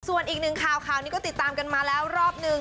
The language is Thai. ส่วนอีกหนึ่งข่าวข่าวนี้ก็ติดตามกันมาแล้วรอบนึง